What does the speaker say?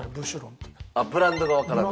あっブランドがわからない？